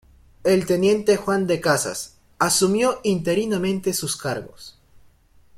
El teniente Juan de Casas asumió interinamente sus cargos.